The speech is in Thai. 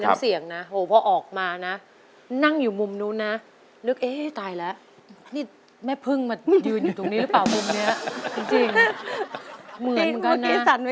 เนี่ยแอบคิดเหมือนกันเอ๊ยยังไง